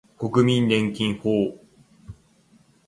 国民年金法